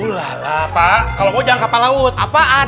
bala pak kalau mau jauh kapal laut apaan